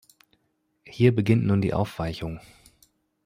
Hier beginnt nun die Aufweichung.